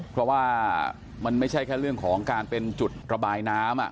เพราะว่ามันไม่ใช่แค่เรื่องของการเป็นจุดระบายน้ำ